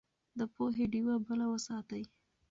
د پوهې ډيوه بله وساتئ.